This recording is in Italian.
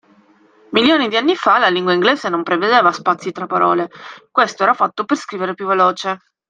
Milioni di anni fa, la lingua inglese non prevedeva spazi tra parole, questo era fatto per scrivere più veloce.